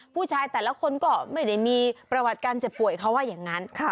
ผู้ชายแต่ละคนก็ไม่ได้มีประวัติการเจ็บป่วยเขาว่าอย่างนั้น